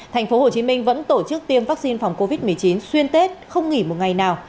tp hcm vẫn tổ chức tiêm vaccine phòng covid một mươi chín xuyên tết không nghỉ một ngày nào